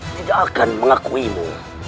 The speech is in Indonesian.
tidak akan mengakuinmu